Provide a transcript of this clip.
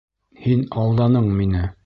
Һин алданың мине!